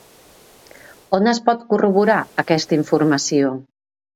On es pot corroborar, aquesta informació?